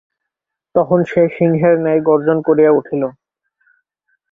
তখন সে সিংহের ন্যায় গর্জন করিয়া উঠিল।